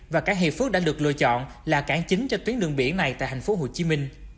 và các hiệp phước đã được lựa chọn là cảng chính cho tuyến đường biển này tại tp hcm